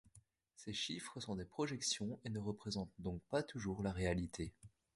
Ces chiffres sont des projections et ne représentent donc pas toujours la réalité.